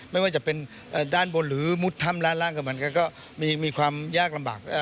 ไม่ว่าจะเป็นด้านบนหรือมุดถ้ำด้านล่างกับมันก็มีความยากลำบาก